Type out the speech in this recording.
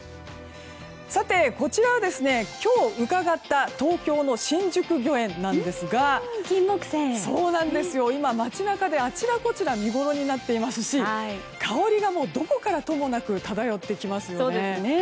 さて、こちらは今日伺った東京の新宿御苑なんですが今、街中であちらこちら見ごろになっていますし香りがどこからともなく漂ってきますよね。